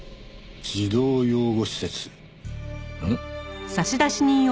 「児童養護施設」ん？